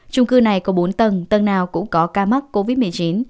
trung cư này có bốn tầng tầng nào cũng có ca mắc covid một mươi chín